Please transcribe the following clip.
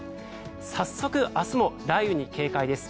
早速、明日も雷雨に警戒です。